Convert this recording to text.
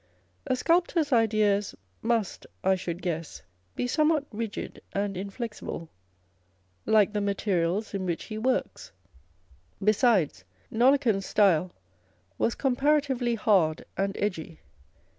A sculptor's ideas must, I should guess, be somewhat rigid and inflexible, like the materials in which he works. Besides, Nollekens's style was comparatively hard and edgy.